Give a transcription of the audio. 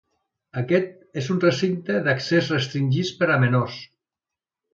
Aquest és un recinte d’accés restringit per a menors.